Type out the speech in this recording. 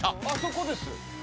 あそこです。